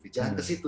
jangan ke situ